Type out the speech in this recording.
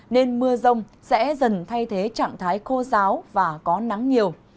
nên mưa rông sẽ dần thay thế trạng thái khô giáo và có nắng nhiều